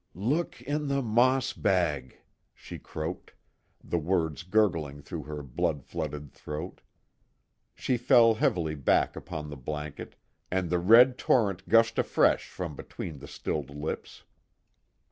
"Look in the moss bag," she croaked, the words gurgling through her blood flooded throat. She fell heavily back upon the blanket and the red torrent gushed afresh from between the stilled lips.